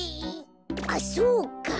あっそうか。